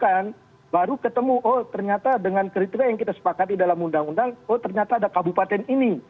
nah baru ketemu oh ternyata dengan kriteria yang kita sepakati dalam undang undang oh ternyata ada kabupaten ini